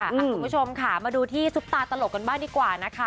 คุณผู้ชมค่ะมาดูที่ซุปตาตลกกันบ้างดีกว่านะคะ